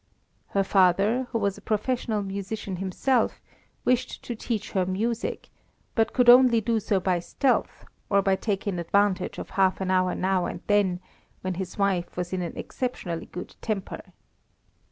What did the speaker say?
Her father, who was a professional musician himself, wished to teach her music, but could only do so by stealth, or by taking advantage of half an hour now and then, when his wife was in an exceptionally good temper.